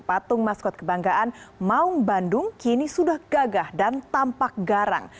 patung maskot kebanggaan maung bandung kini sudah gagah dan tampak garang